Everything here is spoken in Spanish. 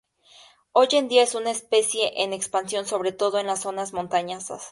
Hoy en día es una especie en expansión, sobre todo en las zonas montañosas.